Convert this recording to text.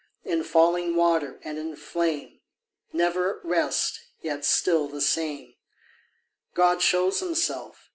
In falling water and in flame, Never at rest, yet still the same, God shows himself.